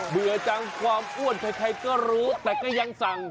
เบื่อจังความอ้วนใครก็รู้แต่ก็ยังสั่ง